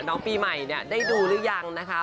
น้องปีใหม่เนี่ยได้ดูหรือยังนะคะ